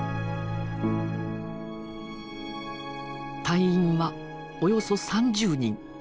隊員はおよそ３０人。